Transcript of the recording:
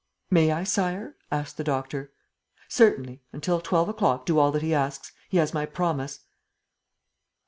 ..." "May I, Sire?" asked the doctor. "Certainly. ... Until twelve o'clock, do all that he asks. He has my promise."